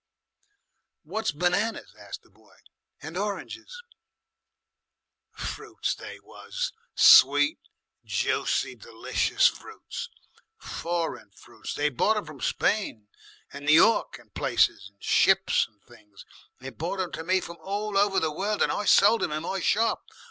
"What's benanas?" asked the boy, "and oranges?" "Fruits they was. Sweet, juicy, d'licious fruits. Foreign fruits. They brought 'em from Spain and N' York and places. In ships and things. They brought 'em to me from all over the world, and I sold 'em in my shop.